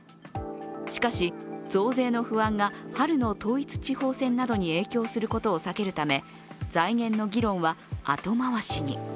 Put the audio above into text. しかし、増税の不安が春の統一地方選などに影響することを避けるため財源の議論は後回しに。